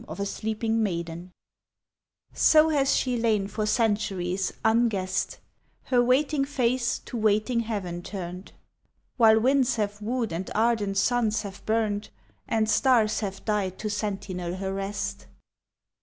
*The Sleeping Beauty SO has she lain for centuries unguessed, Her waiting face to waiting heaven turned, While winds have wooed and ardent suns have burned And stars have died to sentinel her rest.